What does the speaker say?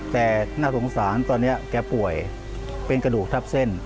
แต่น่าสงสารตอนนี้แกป่วยเป็นกระดูกทับเส้น